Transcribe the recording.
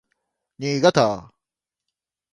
Niigata